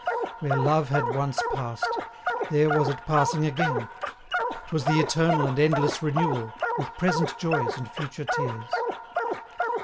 Where love had once passed, there was it passing again. 'Twas the eternal and endless renewal, with present joys and future tears.